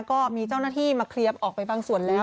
ก็มีเจ้าหน้าที่มาเคลียร์ออกไปบางส่วนแล้ว